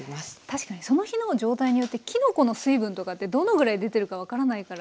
確かにその日の状態によってきのこの水分とかってどのぐらい出てるか分からないから。